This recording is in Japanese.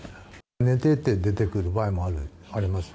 寝てて出てくる場合もあります。